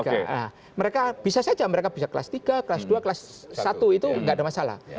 nah mereka bisa saja mereka bisa kelas tiga kelas dua kelas satu itu nggak ada masalah